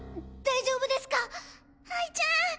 大丈夫ですか？哀ちゃん。